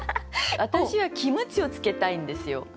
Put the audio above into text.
私はキムチを漬けたいんですよ。